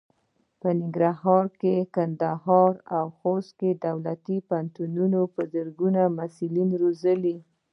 په ننګرهار، کندهار او خوست کې دولتي پوهنتونونه په زرګونو محصلین روزي.